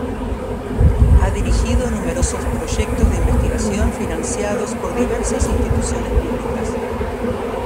Ha dirigido numerosos proyectos de investigación financiados por diversas instituciones públicas.